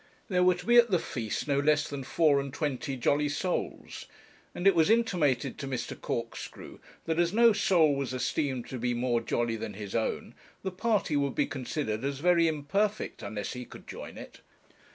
There were to be at the feast no less than four and twenty jolly souls, and it was intimated to Mr. Corkscrew that as no soul was esteemed to be more jolly than his own, the party would be considered as very imperfect unless he could join it.